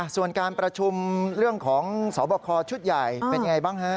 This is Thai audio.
ส่วนการประชุมเรื่องของสอบคอชุดใหญ่เป็นยังไงบ้างฮะ